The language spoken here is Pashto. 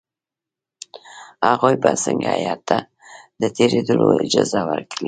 هغوی به څنګه هیات ته د تېرېدلو اجازه ورکړي.